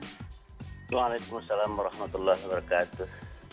waalaikumsalam warahmatullahi wabarakatuh